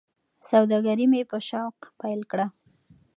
سوداګري مې په شوق پیل کړه.